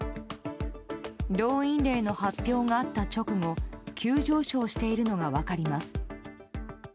動員令の発表があった直後急上昇しているのが分かります。